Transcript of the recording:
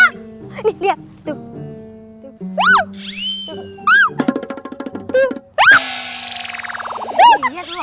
nih liat tuh